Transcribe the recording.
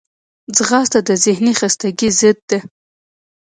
ځغاسته د ذهني خستګي ضد ده